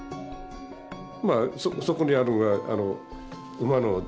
まあそこにあるのが馬の尻尾。